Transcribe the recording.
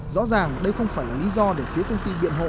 rõ ràng đây không phải là lý do để phía công ty biện hộ